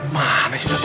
mana susah temen